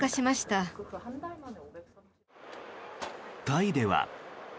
タイでは。